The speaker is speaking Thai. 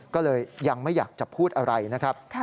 ก็เลยยังไม่อยากจะพูดอะไรนะครับ